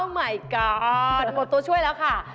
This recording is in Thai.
หมดตัวช่วยแล้วค่ะ